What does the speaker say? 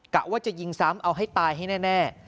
กะว่าจะยิงซ้ำเอาให้ตายให้แน่